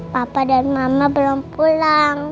papa dan mama belum pulang